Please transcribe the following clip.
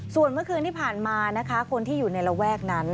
ส่วนเมื่อคืนที่ผ่านมานะคะคนที่อยู่ในระแวกนั้น